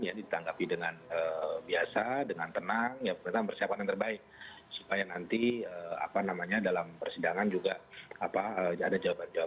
jadi saya kira tidak ada masalah seperti yang sudah sudah juga banyak yang mengajukan jurister review